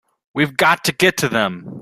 We've got to get to them!